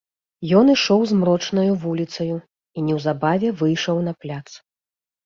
Ён ішоў змрочнаю вуліцаю і неўзабаве выйшаў на пляц.